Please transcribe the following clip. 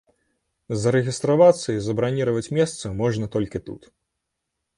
Зарэгістравацца і забраніраваць месца можна толькі тут.